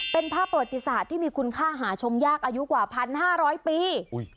เป็นภาพประวัติศาสตร์ที่มีคุณค่าหาชมยากอายุกว่า๑๕๐๐ปี